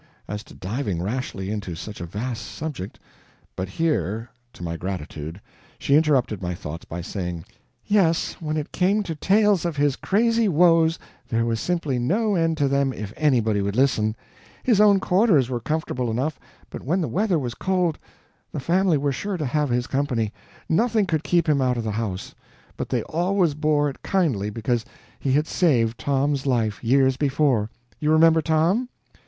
As to diving rashly into such a vast subject " But here, to my gratitude, she interrupted my thoughts by saying: "Yes, when it came to tales of his crazy woes, there was simply no end to them if anybody would listen. His own quarters were comfortable enough, but when the weather was cold, the family were sure to have his company nothing could keep him out of the house. But they always bore it kindly because he had saved Tom's life, years before. You remember Tom?